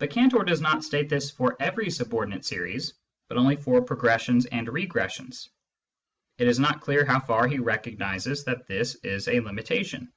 But Cantor does not state this for every subordinate series, but only for progres sions and regressions. (It is not clear how far he recognises that this is a limitation.)